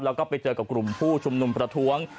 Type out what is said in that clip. แล้วก็ไปเจอกับกลุ่มผู้ชุมนุมประท้วง